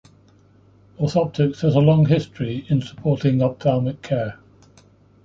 Orthoptics has a long history in supporting ophthalmic care.